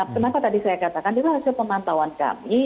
kenapa tadi saya katakan itu hasil pemantauan kami